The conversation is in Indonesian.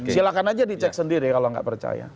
silahkan aja dicek sendiri kalau nggak percaya